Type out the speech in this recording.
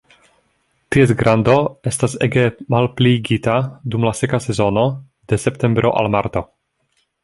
Ties grando estas ege malpliigita dum la seka sezono de septembro al marto.